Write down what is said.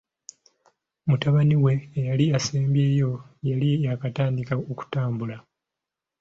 Mutabani we eyali assembayo yali yaakatandika okutambula.